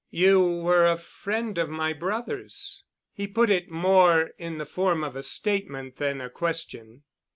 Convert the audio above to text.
"You were a friend of my brother's." He put it more in the form of a statement than a question.